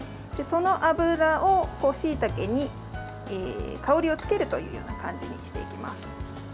その油を、しいたけに香りをつけるという感じにしていきます。